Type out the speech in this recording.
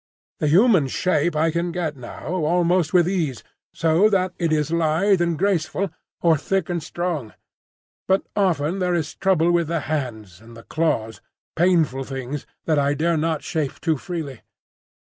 The human shape I can get now, almost with ease, so that it is lithe and graceful, or thick and strong; but often there is trouble with the hands and the claws,—painful things, that I dare not shape too freely.